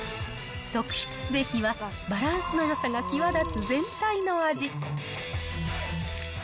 特筆すべきは、バランスのよさが際立つ全体の味。